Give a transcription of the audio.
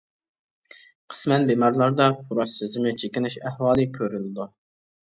قىسمەن بىمارلاردا پۇراش سېزىمى چېكىنىش ئەھۋالى كۆرۈلىدۇ.